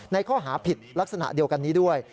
ในข้อหาผิดลักษณะเดียวกันนี้ด้วย